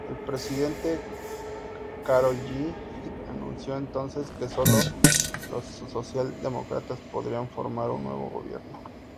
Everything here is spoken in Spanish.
El presidente Károlyi anunció entonces que sólo los socialdemócratas podrían formar un nuevo Gobierno.